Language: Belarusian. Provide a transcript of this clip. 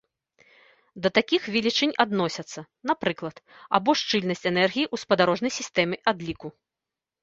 Да такіх велічынь адносяцца, напрыклад, або шчыльнасць энергіі ў спадарожнай сістэме адліку.